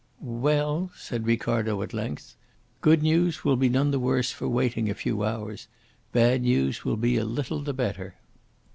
"Well," said Ricardo, at length, "good news will be none the worse for waiting a few hours. Bad news will be a little the better."